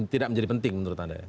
tidak menjadi penting menurut anda ya